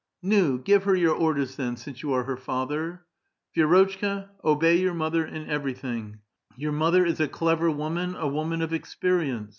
" Niv! give her your orders then, since you are her father." '* Vi^rotchka, obey your mother in everything. Your mother is a clever woman, a woman of experience.